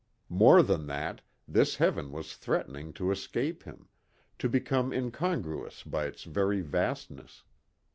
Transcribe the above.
More than that this heaven was threatening to escape him, to become incongruous by its very vastness.